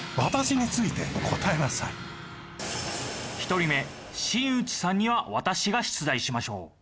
１人目新内さんには私が出題しましょう。